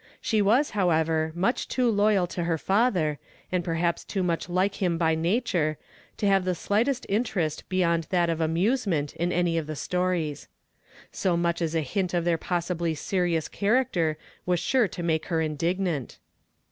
She was, however, nuich too loyal to her fatlier, and perhaps too nuich like him by nature, to have the slightest interest be yond that of amusement in any of the stories. So nuich as a hint of their possibly serious character was sure to make her indignant.